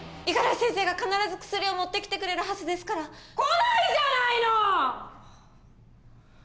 五十嵐先生が必ず薬を持って来てくれるはずですから。来ないじゃないの！